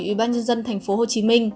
ủy ban dân dân tp hcm